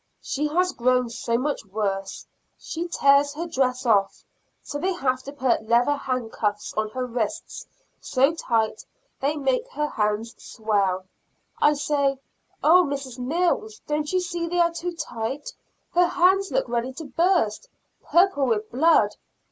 She has grown so much worse, she tears her dress off, so they have to put leather hand cuffs on her wrists so tight they make her hands swell. I say, "Oh, Mrs. Mills, don't you see they are too tight, her hands look ready to burst purple with blood."